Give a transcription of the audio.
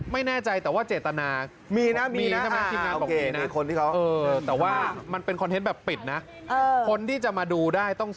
เป็นเดือนหรือว่าเป็นไม่รู้เหมือนกันอ่ะอาจจะเป็นเดือน